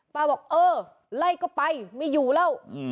บอกเออไล่ก็ไปไม่อยู่แล้ว